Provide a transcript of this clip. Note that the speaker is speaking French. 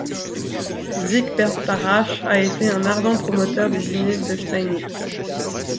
Siegbert Tarrasch a été un ardent promoteur des idées de Steinitz.